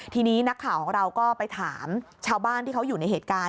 ทีนี้นักข่าวของเราก็ไปถามชาวบ้านที่เขาอยู่ในเหตุการณ์